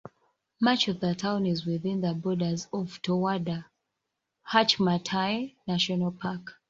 Much of the town is within the borders of the Towada-Hachimantai National Park.